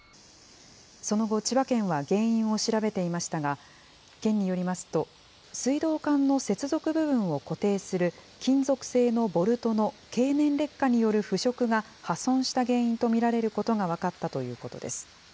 その後、千葉県は原因を調べていましたが、県によりますと、水道管の接続部分を固定する金属製のボルトの経年劣化による腐食が破損した原因と見られることが分かったということです。